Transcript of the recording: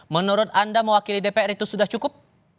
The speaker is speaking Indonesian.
menurut anda mewakili dpr itu sudah cukup